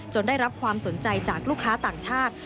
ได้รับความสนใจจากลูกค้าต่างชาติ